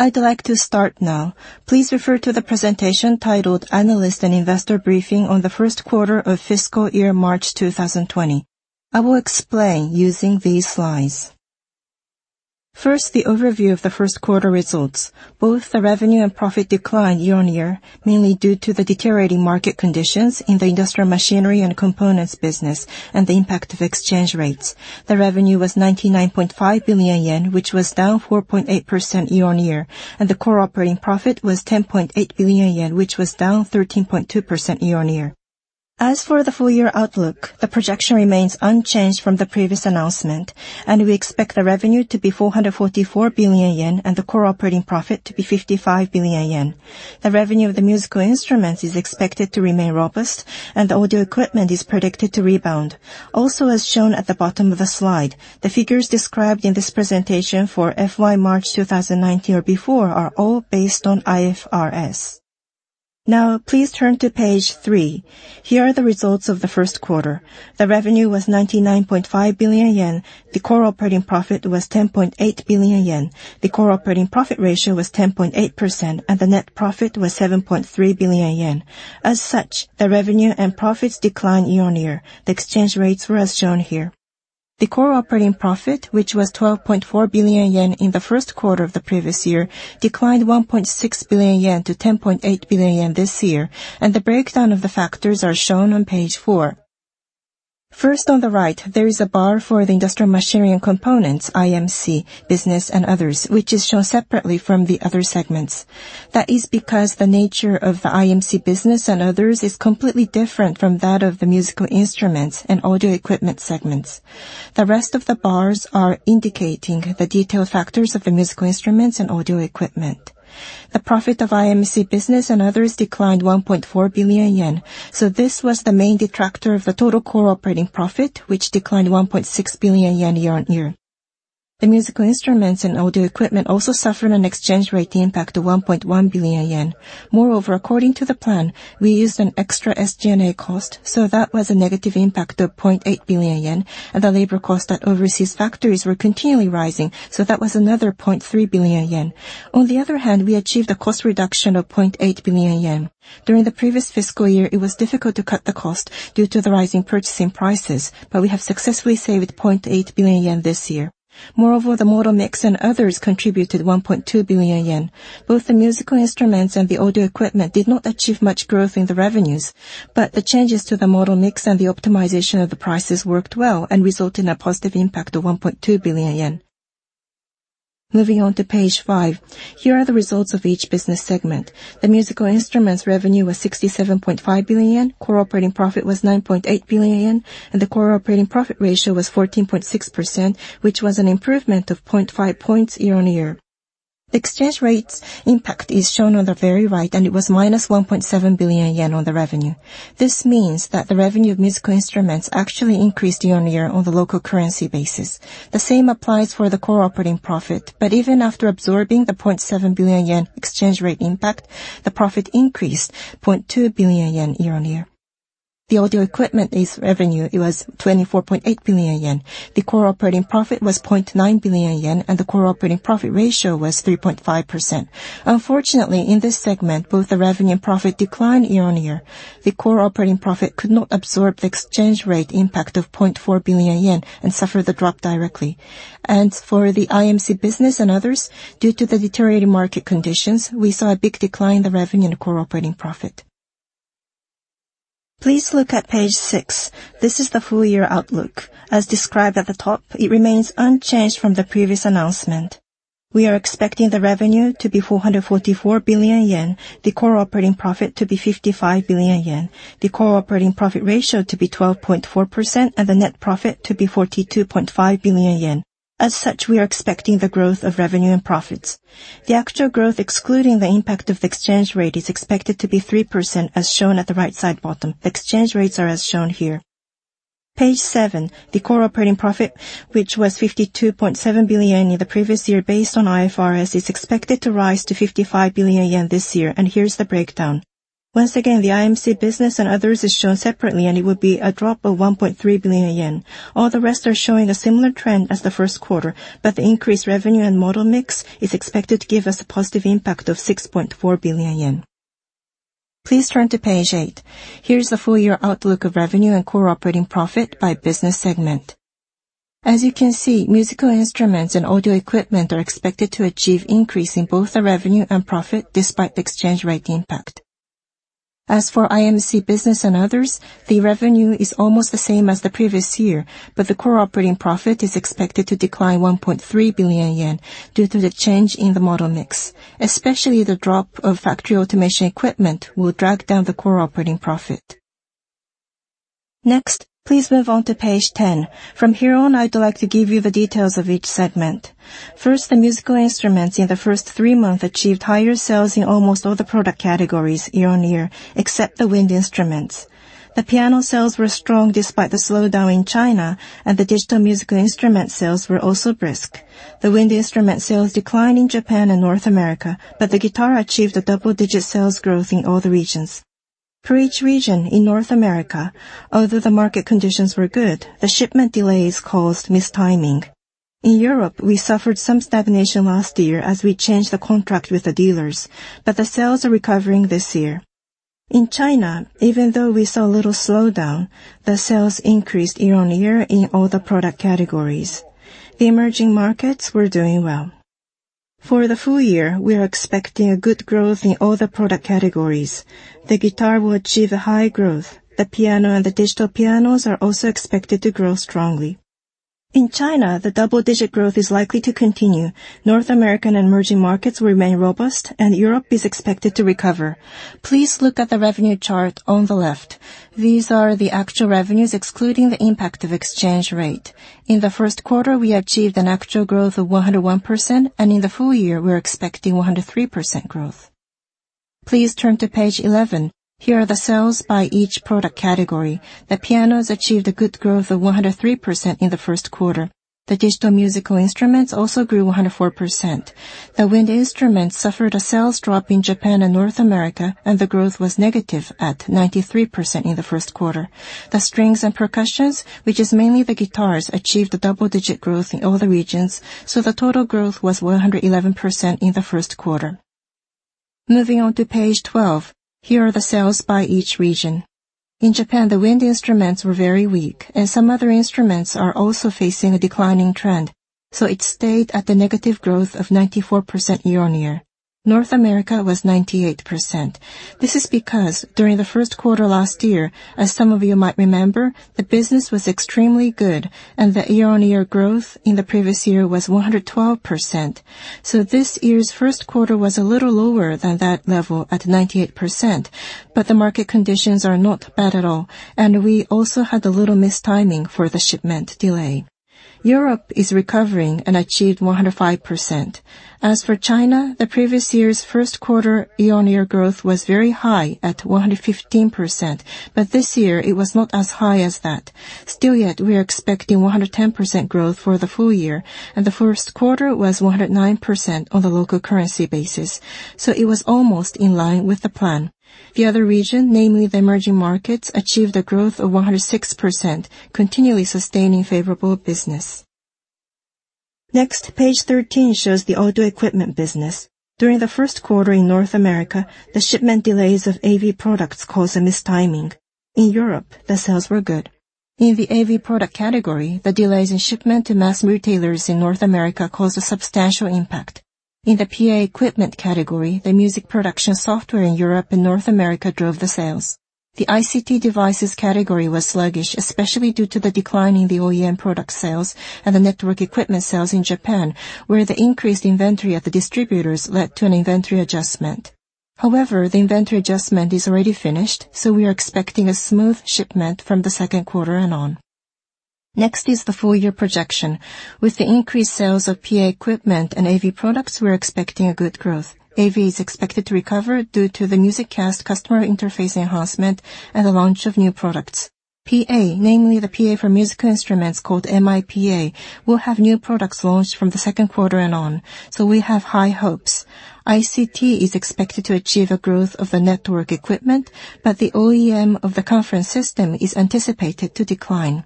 I'd like to start now. Please refer to the presentation titled Analyst and Investor Briefing on the first quarter of fiscal year March 2020. I will explain using these slides. First, the overview of the first quarter results. Both the revenue and profit declined year-on-year, mainly due to the deteriorating market conditions in the industrial machinery and components business, and the impact of exchange rates. The revenue was 99.5 billion yen, which was down 4.8% year-on-year, and the core operating profit was 10.8 billion yen, which was down 13.2% year-on-year. As for the full-year outlook, the projection remains unchanged from the previous announcement, and we expect the revenue to be 444 billion yen, and the core operating profit to be 55 billion yen. The revenue of the musical instruments is expected to remain robust, and the audio equipment is predicted to rebound. As shown at the bottom of the slide, the figures described in this presentation for FY March 2019 or before are all based on IFRS. Please turn to page three. Here are the results of the first quarter. The revenue was 99.5 billion yen. The core operating profit was 10.8 billion yen. The core operating profit ratio was 10.8%, and the net profit was 7.3 billion yen. As such, the revenue and profits declined year-on-year. The exchange rates were as shown here. The core operating profit, which was 12.4 billion yen in the first quarter of the previous year, declined 1.6 billion yen to 10.8 billion yen this year. The breakdown of the factors are shown on page four. On the right, there is a bar for the industrial machinery and components, IMC business and others, which is shown separately from the other segments. That is because the nature of the IMC Business and others is completely different from that of the Musical Instruments and Audio Equipment segments. The rest of the bars are indicating the detailed factors of the Musical Instruments and Audio Equipment. The profit of IMC Business and others declined 1.4 billion yen, so this was the main detractor of the total core operating profit, which declined 1.6 billion yen year-on-year. Moreover, according to the plan, we used an extra SG&A cost, so that was a negative impact of 0.8 billion yen, and the labor cost at overseas factories were continually rising, so that was another 0.3 billion yen. On the other hand, we achieved a cost reduction of 0.8 billion yen. During the previous fiscal year, it was difficult to cut the cost due to the rising purchasing prices, but we have successfully saved 0.8 billion yen this year. Moreover, the model mix and others contributed 1.2 billion yen. Both the musical instruments and the audio equipment did not achieve much growth in the revenues, but the changes to the model mix and the optimization of the prices worked well and result in a positive impact of 1.2 billion yen. Moving on to page five. Here are the results of each business segment. The musical instruments revenue was 67.5 billion yen. Core operating profit was 9.8 billion yen, and the core operating profit ratio was 14.6%, which was an improvement of 0.5 points year-on-year. Exchange rates impact is shown on the very right, and it was minus 1.7 billion yen on the revenue. This means that the revenue of musical instruments actually increased year-on-year on the local currency basis. The same applies for the core operating profit. Even after absorbing the 0.7 billion yen exchange rate impact, the profit increased 0.2 billion yen year-on-year. The audio equipment is revenue. It was 24.8 billion yen. The core operating profit was 0.9 billion yen, and the core operating profit ratio was 3.5%. Unfortunately, in this segment, both the revenue and profit declined year-on-year. The core operating profit could not absorb the exchange rate impact of 0.4 billion yen and suffered the drop directly. For the IMC business and others, due to the deteriorating market conditions, we saw a big decline in the revenue and core operating profit. Please look at page six. This is the full-year outlook. As described at the top, it remains unchanged from the previous announcement. We are expecting the revenue to be 444 billion yen, the core operating profit to be 55 billion yen, the core operating profit ratio to be 12.4%, and the net profit to be 42.5 billion yen. As such, we are expecting the growth of revenue and profits. The actual growth, excluding the impact of the exchange rate, is expected to be 3%, as shown at the right side bottom. The exchange rates are as shown here. Page seven, the core operating profit, which was 52.7 billion yen in the previous year based on IFRS, is expected to rise to 55 billion yen this year. Here's the breakdown. Once again, the IMC business and others is shown separately, and it would be a drop of 1.3 billion yen. All the rest are showing a similar trend as the first quarter, but the increased revenue and model mix is expected to give us a positive impact of 6.4 billion yen. Please turn to page eight. Here is the full-year outlook of revenue and core operating profit by business segment. As you can see, musical instruments and audio equipment are expected to achieve increase in both the revenue and profit despite the exchange rate impact. As for IMC business and others, the revenue is almost the same as the previous year, but the core operating profit is expected to decline 1.3 billion yen due to the change in the model mix. Especially the drop of factory automation equipment will drag down the core operating profit. Next, please move on to page 10. From here on, I'd like to give you the details of each segment. The musical instruments in the first 3 months achieved higher sales in almost all the product categories year-over-year, except the wind instruments. The piano sales were strong despite the slowdown in China, and the digital musical instrument sales were also brisk. The wind instrument sales declined in Japan and North America, but the guitar achieved a double-digit sales growth in all the regions. For each region in North America, although the market conditions were good, the shipment delays caused mistiming. In Europe, we suffered some stagnation last year as we changed the contract with the dealers, but the sales are recovering this year. In China, even though we saw a little slowdown, the sales increased year-over-year in all the product categories. The emerging markets were doing well. For the full year, we are expecting a good growth in all the product categories. The guitar will achieve a high growth. The piano and the digital pianos are also expected to grow strongly. In China, the double-digit growth is likely to continue. North American and emerging markets remain robust, and Europe is expected to recover. Please look at the revenue chart on the left. These are the actual revenues, excluding the impact of exchange rate. In the first quarter, we achieved an actual growth of 101%, and in the full year, we're expecting 103% growth. Please turn to page 11. Here are the sales by each product category. The pianos achieved a good growth of 103% in the first quarter. The digital musical instruments also grew 104%. The wind instruments suffered a sales drop in Japan and North America, and the growth was negative at 93% in the first quarter. The strings and percussions, which is mainly the guitars, achieved a double-digit growth in all the regions, so the total growth was 111% in the first quarter. Moving on to page 12, here are the sales by each region. In Japan, the wind instruments were very weak, and some other instruments are also facing a declining trend, so it stayed at the negative growth of 94% year-on-year. North America was 98%. This is because during the first quarter last year, as some of you might remember, the business was extremely good, and the year-on-year growth in the previous year was 112%. This year's first quarter was a little lower than that level at 98%, but the market conditions are not bad at all. We also had a little mistiming for the shipment delay. Europe is recovering and achieved 105%. As for China, the previous year's first quarter year-on-year growth was very high at 115%, but this year, it was not as high as that. We are expecting 110% growth for the full year. The first quarter was 109% on the local currency basis. It was almost in line with the plan. The other region, namely the emerging markets, achieved a growth of 106%, continually sustaining favorable business. Page 13 shows the audio equipment business. During the first quarter in North America, the shipment delays of AV products caused a mistiming. In Europe, the sales were good. In the AV product category, the delays in shipment to mass retailers in North America caused a substantial impact. In the PA equipment category, the music production software in Europe and North America drove the sales. The ICT devices category was sluggish, especially due to the decline in the OEM product sales and the network equipment sales in Japan, where the increased inventory of the distributors led to an inventory adjustment. However, the inventory adjustment is already finished, so we are expecting a smooth shipment from the second quarter and on. Next is the full year projection. With the increased sales of PA equipment and AV products, we're expecting a good growth. AV is expected to recover due to the MusicCast customer interface enhancement and the launch of new products. PA, namely the PA for musical instruments called MIPA, will have new products launched from the second quarter and on, so we have high hopes. ICT is expected to achieve a growth of the network equipment, but the OEM of the conference system is anticipated to decline.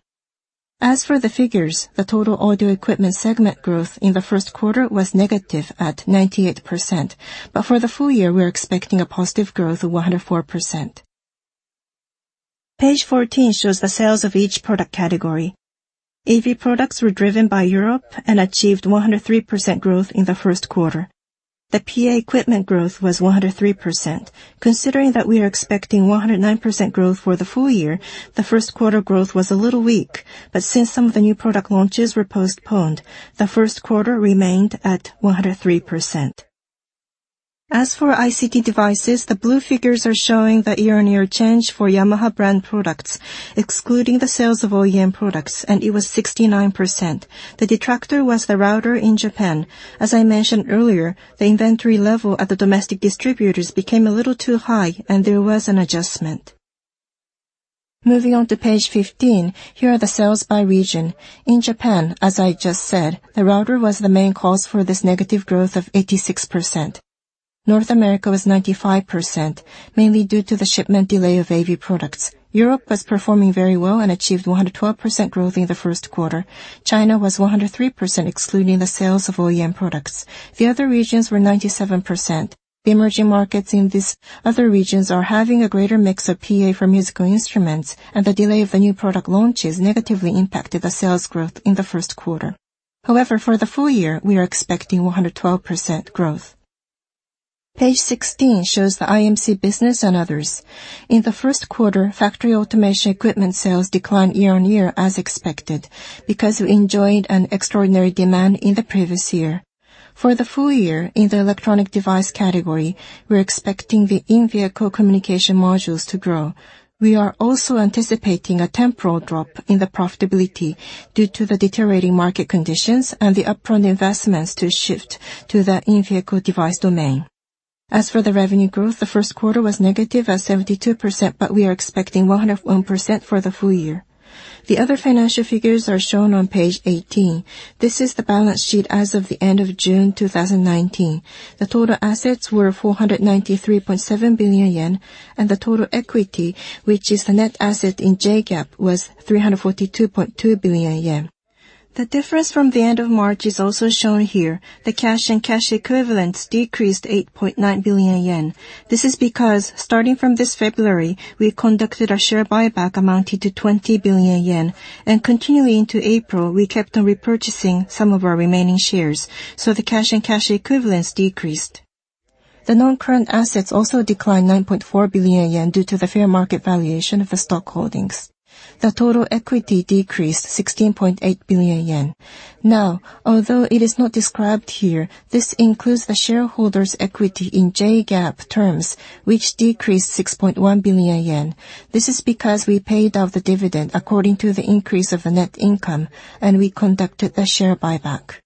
As for the figures, the total audio equipment segment growth in the first quarter was negative at 98%, but for the full year, we are expecting a positive growth of 104%. Page 14 shows the sales of each product category. AV products were driven by Europe and achieved 103% growth in the first quarter. The PA equipment growth was 103%. Considering that we are expecting 109% growth for the full year, the first quarter growth was a little weak, but since some of the new product launches were postponed, the first quarter remained at 103%. As for ICT devices, the blue figures are showing the year-on-year change for Yamaha brand products, excluding the sales of OEM products, and it was 69%. The detractor was the router in Japan. As I mentioned earlier, the inventory level at the domestic distributors became a little too high, and there was an adjustment. Moving on to page 15, here are the sales by region. In Japan, as I just said, the router was the main cause for this negative growth of 86%. North America was 95%, mainly due to the shipment delay of AV products. Europe was performing very well and achieved 112% growth in the first quarter. China was 103%, excluding the sales of OEM products. The other regions were 97%. The emerging markets in these other regions are having a greater mix of PA for musical instruments, and the delay of the new product launches negatively impacted the sales growth in the first quarter. However, for the full year, we are expecting 112% growth. Page 16 shows the IMC business and others. In the first quarter, factory automation equipment sales declined year-on-year as expected, because we enjoyed an extraordinary demand in the previous year. For the full year in the electronic device category, we're expecting the in-vehicle communication modules to grow. We are also anticipating a temporal drop in the profitability due to the deteriorating market conditions and the upfront investments to shift to the in-vehicle device domain. As for the revenue growth, the first quarter was negative at 72%, but we are expecting 101% for the full year. The other financial figures are shown on page 18. This is the balance sheet as of the end of June 2019. The total assets were 493.7 billion yen, and the total equity, which is the net asset in J-GAAP, was 342.2 billion yen. The difference from the end of March is also shown here. The cash and cash equivalents decreased 8.9 billion yen. This is because, starting from this February, we conducted a share buyback amounting to 20 billion yen, and continuing into April, we kept on repurchasing some of our remaining shares. The cash and cash equivalents decreased. The non-current assets also declined 9.4 billion yen due to the fair market valuation of the stock holdings. The total equity decreased 16.8 billion yen. Although it is not described here, this includes the shareholders' equity in J-GAAP terms, which decreased 6.1 billion yen. This is because we paid out the dividend according to the increase of the net income, and we conducted a share buyback.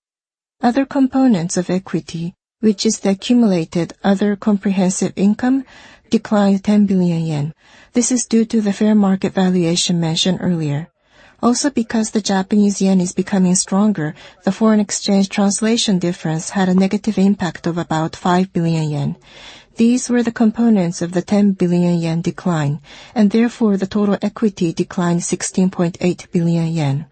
Other components of equity, which is the accumulated other comprehensive income, declined 10 billion yen. This is due to the fair market valuation mentioned earlier. Because the Japanese yen is becoming stronger, the foreign exchange translation difference had a negative impact of about 5 billion yen. These were the components of the 10 billion yen decline, and therefore, the total equity declined 16.8 billion yen.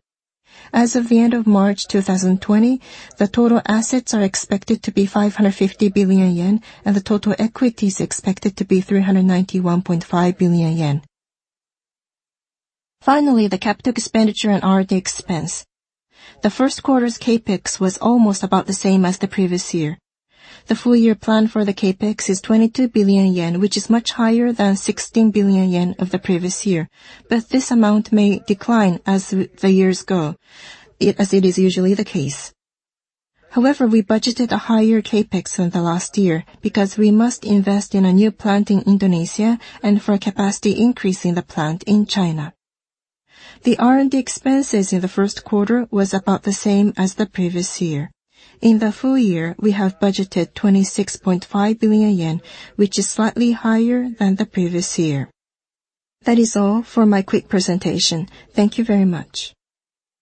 As of the end of March 2020, the total assets are expected to be 550 billion yen, and the total equity is expected to be 391.5 billion yen. Finally, the capital expenditure and R&D expense. The first quarter's CapEx was almost about the same as the previous year. The full year plan for the CapEx is 22 billion yen, which is much higher than 16 billion yen of the previous year. This amount may decline as the years go, as it is usually the case. However, we budgeted a higher CapEx than the last year because we must invest in a new plant in Indonesia and for capacity increase in the plant in China. The R&D expenses in the first quarter was about the same as the previous year. In the full year, we have budgeted 26.5 billion yen, which is slightly higher than the previous year. That is all for my quick presentation. Thank you very much.